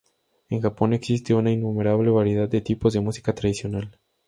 En Japón existe una innumerable variedad de tipos de música tradicional.